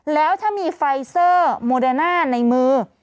แล้วถ้ามีไฟเซอร์โมเดอร์น่าในมือ